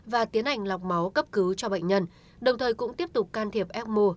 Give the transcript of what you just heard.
và tiến hành lọc máu cấp cứu cho bệnh nhân đồng thời cũng tiếp tục can thiệp ecmo